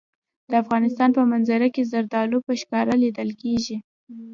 د افغانستان په منظره کې زردالو په ښکاره لیدل کېږي.